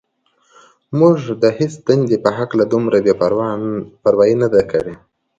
موږ د هېڅ دندې په هکله دومره بې پروايي نه ده کړې.